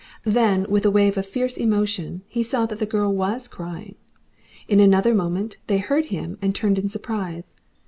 Then, with a wave of fierce emotion, he saw that the girl was crying. In another moment they heard him and turned in surprise.